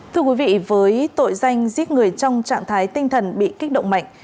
thưa quý vị với tội danh giết người trong trạng thái tinh thần bị kích động mạnh